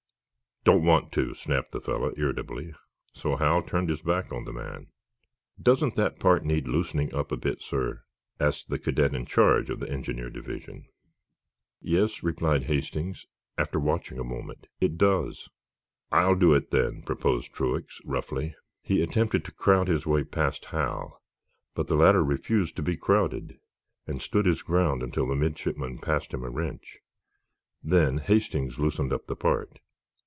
"Don't want to," snapped the fellow, irritably. So Hal turned his back on the man. "Doesn't that part need loosening up a bit, sir?" asked the cadet in charge of the engineer division. "Yes," replied Hastings, after watching a moment; "it does." "I'll do it, then," proposed Truax, roughly. He attempted to crowd his way past Hal, but the latter refused to be crowded, and stood his ground until the midshipman passed him a wrench. Then Hastings loosened up the part.